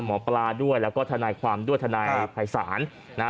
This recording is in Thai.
หมอปลาด้วยแล้วก็ทนายความด้วยทนายภัยศาลนะฮะ